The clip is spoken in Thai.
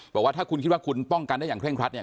บอกว่าถ้าคุณคิดว่าคุณป้องกันได้อย่างเร่งครัดเนี่ย